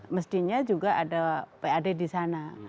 mestinya juga ada pad di sana